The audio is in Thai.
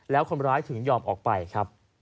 แล้วคนร้ายถึงยอมออกไปครับ